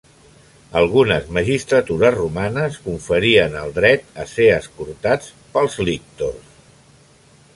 Algunes magistratures romanes conferien el dret a ser escortats pels lictors.